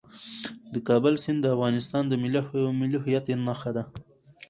د کابل سیند د افغانستان د ملي هویت نښه ده.